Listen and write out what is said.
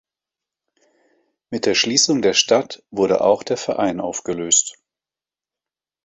Mit der Schließung der Stadt wurde auch der Verein aufgelöst.